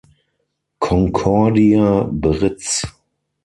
Concordia Britz".